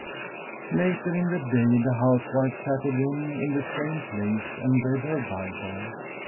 Later in the day the housewife sat again in the same place, and read her Bible.